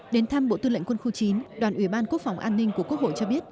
đến thăm bộ tư lệnh quân khu chín đoàn ủy ban quốc phòng an ninh của quốc hội cho biết